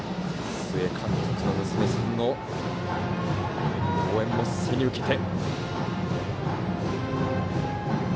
須江監督の娘さんの応援も背に受けて。